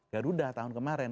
garuda tahun kemarin